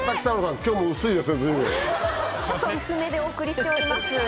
ちょっと薄めでお送りしております。